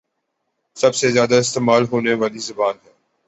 سب سے زیادہ استعمال ہونے والی زبان ہے